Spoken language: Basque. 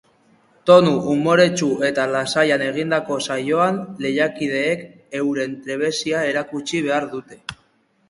Tonu umoretsu eta lasaian egindako saioan, lehiakideek euren trebezia erakutsi behar dute.